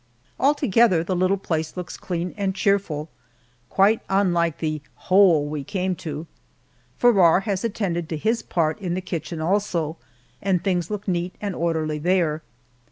Altogether the little place looks clean and cheerful, quite unlike the "hole" we came to. Farrar has attended to his part in the kitchen also, and things look neat and orderly there.